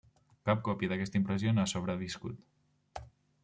Cap còpia d'aquesta impressió no ha sobreviscut.